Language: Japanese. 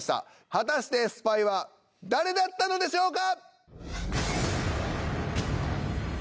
果たしてスパイは誰だったのでしょうか？